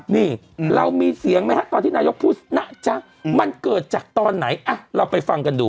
นี่เรามีเสียงไหมฮะตอนที่นายกพูดนะจ๊ะมันเกิดจากตอนไหนเราไปฟังกันดู